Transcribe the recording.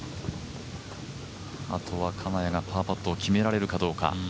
あとは金谷がパーパットを決められるかどうか。